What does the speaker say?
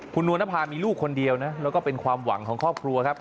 คุณนวลนภามีลูกคนเดียวนะแล้วก็เป็นความหวังของครอบครัวครับ